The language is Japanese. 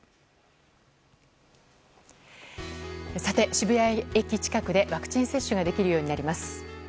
渋谷駅近くでワクチン接種ができるようになります。